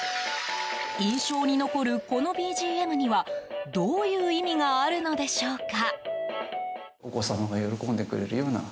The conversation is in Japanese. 印象に残る、このＢＧＭにはどういう意味があるのでしょうか。